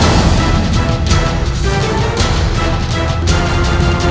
aku tidak akan lawan yang sepadan buatmu